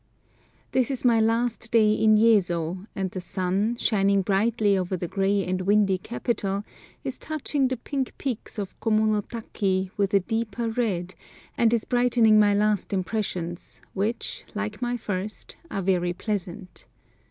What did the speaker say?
THIS is my last day in Yezo, and the sun, shining brightly over the grey and windy capital, is touching the pink peaks of Komono taki with a deeper red, and is brightening my last impressions, which, like my first, are very pleasant.